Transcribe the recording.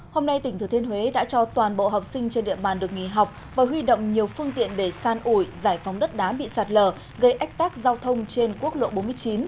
hôm nay tỉnh thừa thiên huế đã cho toàn bộ học sinh trên địa bàn được nghỉ học và huy động nhiều phương tiện để san ủi giải phóng đất đá bị sạt lở gây ách tác giao thông trên quốc lộ bốn mươi chín